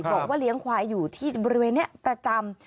บอกว่าเลี้ยงควายอยู่ที่บริเวณนี้ประจำ